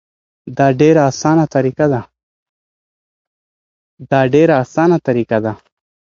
دا ډیره اسانه طریقه ده.